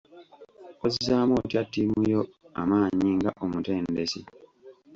Ozzaamu otya ttiimu yo amaanyi nga omutendesi?